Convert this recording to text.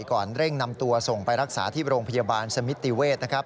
เร่งนำตัวส่งไปรักษาที่โรงพยาบาลสมิติเวศนะครับ